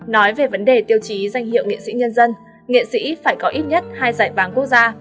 nói về vấn đề tiêu chí danh hiệu nghệ sĩ nhân dân nghệ sĩ phải có ít nhất hai giải vàng quốc gia